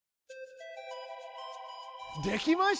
できました！